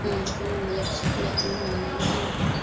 Mmmh! Kwani umeleta chakula kingi namna gani!